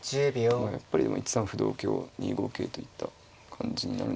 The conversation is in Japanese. まあやっぱり１三歩同香２五桂といった感じになるんでしょうかね。